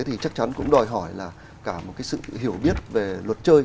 thì chắc chắn cũng đòi hỏi là cả một cái sự hiểu biết về luật chơi